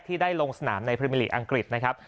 ที่ได้ลงสนามในพรีมิลีกอังกฤษนะครับ